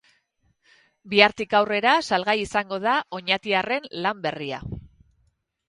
Bihartik aurrera salgai izango da oñatiarren lan berria.